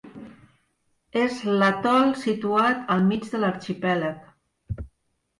És l'atol situat al mig de l'arxipèlag.